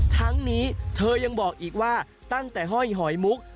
ทั้งนี้เธอยังบอกอีกว่าตั้งแต่ห้อยหอยมุก